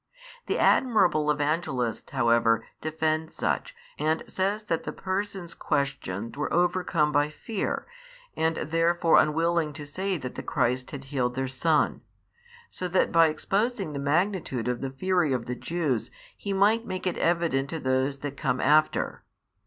The admirable Evangelist however defends such, and says that the persons questioned were overcome by fear and therefore unwilling to say that the Christ had healed their son: so that by exposing the magnitude of the fury of the Jews, he might make it evident to those that come after.